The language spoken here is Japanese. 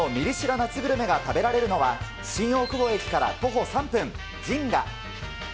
夏グルメが食べられるのは、新大久保駅から徒歩３分。